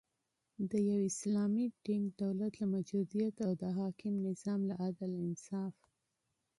د یو اسلامی ټینګ دولت له موجودیت او د حاکم نظام له عدل، انصاف